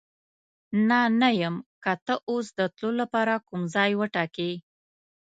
نه، نه یم، که ته اوس د تلو لپاره کوم ځای وټاکې.